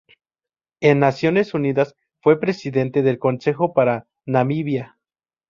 En Naciones Unidas, fue presidente del consejo para Namibia.